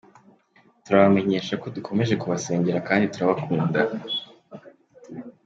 Turabamenyesha ko dukomeje kubasengera kandi turabakunda.